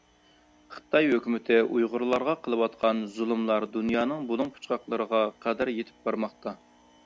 خىتاي ھۆكۈمىتى ئۇيغۇرلارغا قىلىۋاتقان زۇلۇملار دۇنيانىڭ بۇلۇڭ- پۇچقاقلىرىغا قەدەر يېتىپ بارماقتا.